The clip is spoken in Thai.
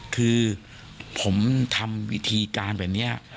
คือผมทำวิธีการแบบนี้